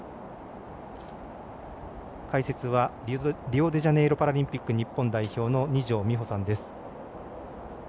解説はリオデジャネイロパラリンピック代表の二條実穂さんです。